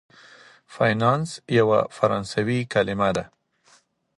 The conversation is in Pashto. فینانس یوه فرانسوي کلمه ده.